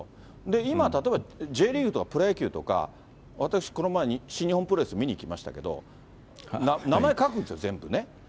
今例えば、Ｊリーグとかプロ野球とか、私、この前、新日本プロレス見に行きましたけれども、名前書くんですよ、全部ね。